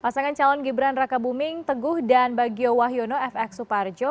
pasangan calon gibran raka buming teguh dan bagio wahyono fx suparjo